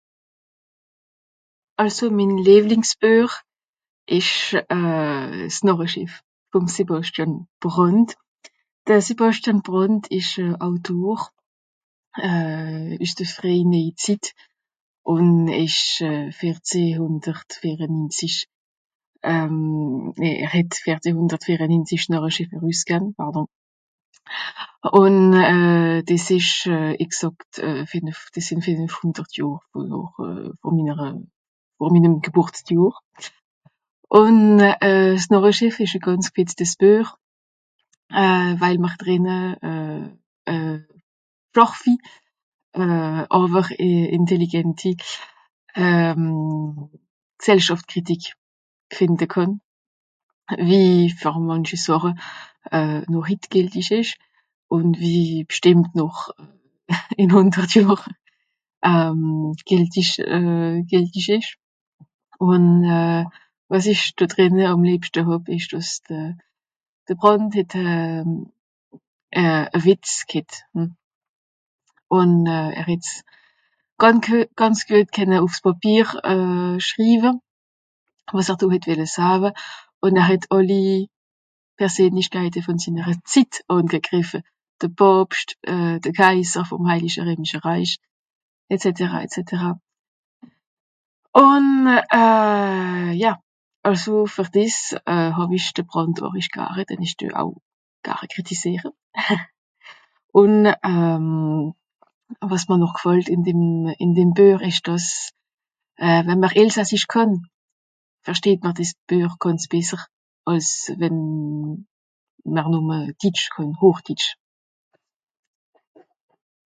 Also myn Liewlingsbüech isch euh s Narreschiff fum Sebaschtian Brant. De Sebaschtian Brant isch e Autor euh üs de Fréi Néizyt un isch fierzehhundertfierenynzisch euh nëë, er het fierzehhundertfierenynzisch s Narreschiff erüsgann, pardon, un euh dis isch euh exakt euh finef, dis sin finefhundert Johr for euh for mynere for mynem Geburtsjohr. Un euh s Narreschiff isch e ganz gfitztes Büech euh, wail m'r drinne euh e scharfi euh awer e yntelligenti euh Gsellschafftkrytik finde kann, wi fer manchi Sache euh noch hyt giltisch isch un wi bschtimmt noch in hundert Johr euh giltisch euh giltisch isch. Un euh was ich dodrinne am liebschte hab, isch dass de de Brant het euh e Witz ghet un euh er het's gan ganz güet kenne uf s Babyyr euh schryywe, was'r do het welle sääwe. Un er het alli Perseenlichkaite fun synere Zyt aangegriffe: de Paapscht euh, de Kaiser fum Hailische Reemische Raich, et cetera, et cetera. Un euh ja, also fer dis euh haw ich de Brant aarisch gääre, denn ich düe au gääre krytisiere un euh was m'r noch gfallt in dem in dem Büech isch, dass euh, we'mer Elsässisch kann, ferschteht m'r dis Büech ganz besser, als wenn m'r numme Dytsch kann, Hoochdytsch.